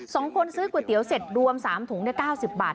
คนซื้อก๋วยเตี๋ยวเสร็จรวม๓ถุง๙๐บาท